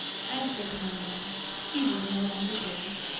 As for Thénardier, he was no longer there.